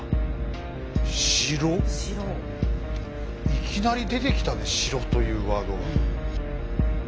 いきなり出てきたね「城」というワードが。